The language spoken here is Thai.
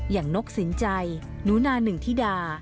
อย่างนกสินใจนุนาหนึ่งธิดา